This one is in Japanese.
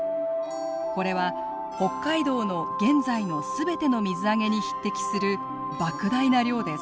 これは北海道の現在の全ての水揚げに匹敵するばく大な量です。